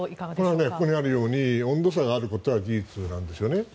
これはここにあるように温度差があることは事実なんですね。